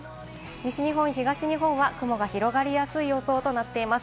西日本、東日本は雲が広がりやすい予報となっています。